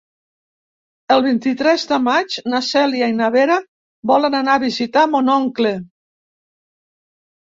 El vint-i-tres de maig na Cèlia i na Vera volen anar a visitar mon oncle.